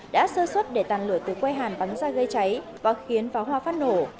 đã sơ xuất để tàn lửa từ quê hàn bắn ra gây cháy và khiến phó hoa phát nổ